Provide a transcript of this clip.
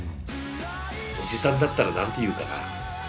おじさんだったら何て言うかな。